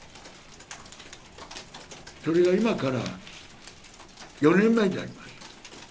それが今から４年前であります。